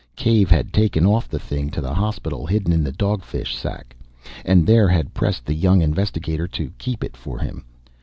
Cave had taken off the thing to the hospital hidden in the dog fish sack, and there had pressed the young investigator to keep it for him.